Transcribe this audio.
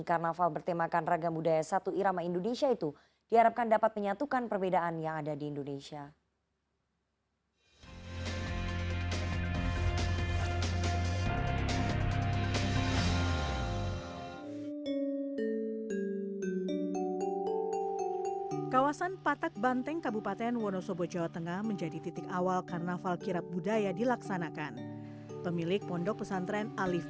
karnaval bertemakan ragam budaya satu irama indonesia itu diharapkan dapat menyatukan perbedaan yang ada di indonesia